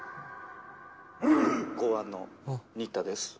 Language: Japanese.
「公安の新田です」